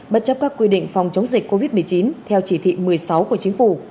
bất chấp các quy định phòng chống dịch covid một mươi chín theo chỉ thị một mươi sáu của chính phủ